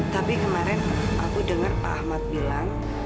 tapi kemarin aku dengar pak ahmad bilang